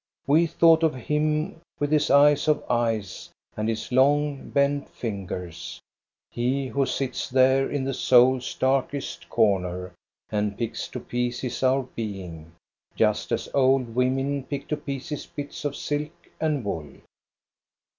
We thought of him, with his eyes of ice and his long, bent fingers, — he who sits there in the souFs darkest corner and picks to pieces our being, just as old women pick to pieces bits of silk and wool.